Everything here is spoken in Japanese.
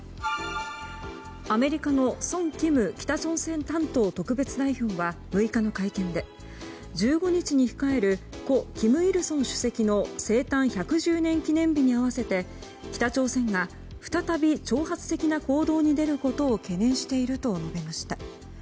アメリカのソン・キム北朝鮮担当特別代表は６日の会見で１５日に控える故・金日成主席の生誕１１０年記念日に合わせて北朝鮮が再び挑発的な行動に出ることを懸念していると述べました。